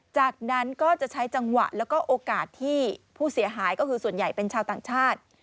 จากนั้นก็จะใช้จังหวะแล้วก็โอกาสที่ผู้เสียหายก็คือส่วนใหญ่เป็นชาวต่างชาติ